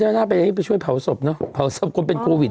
ผักอย่างนี้น่าไปช่วยเผาสบเป็นโควิด